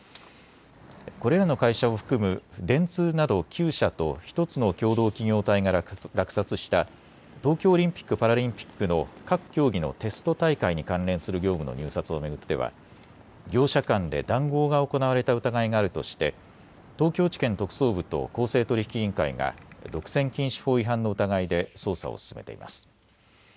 これらの会社を含む電通など９社と１つの共同企業体が落札した東京オリンピック・パラリンピックの各競技のテスト大会に関連する業務の入札を巡っては業者間で談合が行われた疑いがあるとして東京地検特捜部と公正取引委員会が独占禁止法違反の疑いで捜査を進めています。